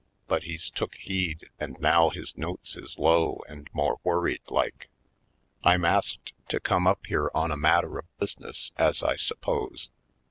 But he's took heed and now his notes is low and more worried like. "I'm asked to come up 240 /. Poindexter, Colored here on a matter of business, as I suppose.